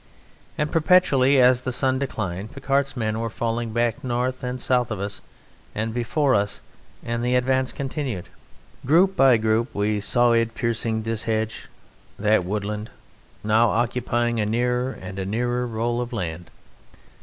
And perpetually, as the sun declined, Picquart's men were falling back north and south of us and before us, and the advance continued. Group by group we saw it piercing this hedge, that woodland, now occupying a nearer and a nearer roll of land.